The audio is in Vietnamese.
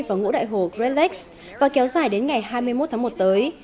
và ngũ đại hồ great lakes và kéo dài đến ngày hai mươi một tháng một tới